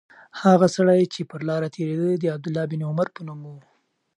هغه سړی چې پر لاره تېرېده د عبدالله بن عمر په نوم و.